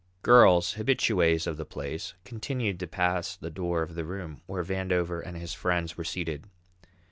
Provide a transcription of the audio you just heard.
Girls, habitués of the place, continued to pass the door of the room where Vandover and his friends were seated.